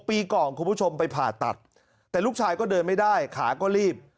ปีก่อนคุณผู้ชมไปผ่าตัดแต่ลูกชายก็เดินไม่ได้ขาก็รีบ